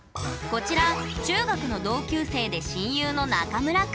こちら中学の同級生で親友のナカムラくん。